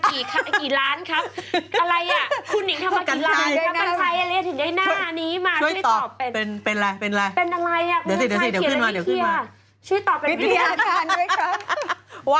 กี่ล้านครับ